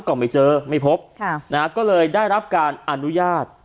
ก็ไม่เจอไม่พบค่ะนะฮะก็เลยได้รับการอนุญาต